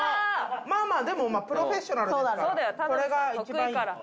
まぁでもプロフェッショナルですから。